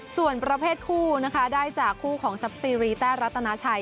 ส่วนประเภทคู่นะคะได้จากคู่ของซับซีรีแต้รัตนาชัย